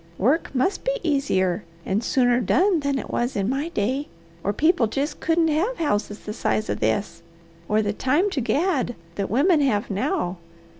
"Work must be easier and sooner done than it was in my day, or people jest couldn't have houses the size of this or the time to gad that women have now.